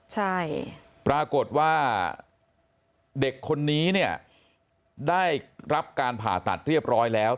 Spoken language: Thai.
ใช่ปรากฏว่าเด็กคนนี้เนี่ยได้รับการผ่าตัดเรียบร้อยแล้ว